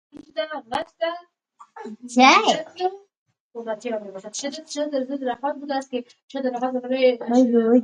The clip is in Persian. چکیدهی ترپانتین